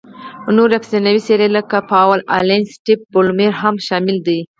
نورې افسانوي څېرې لکه پاول الن، سټیف بولمیر هم شامل دي.